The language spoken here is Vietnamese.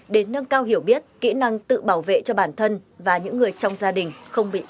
để nâng cao hiểu biết kỹ năng tự bảo vệ cho bản thân và những người trong gia đình không bị lừa đảo